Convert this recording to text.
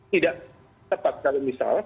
tidak tepat kalau misalnya